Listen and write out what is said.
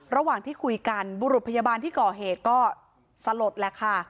ระหว่างที่คุยกันบุรุษพยาบาลที่ก่อเหตุก็สลดแหละค่ะ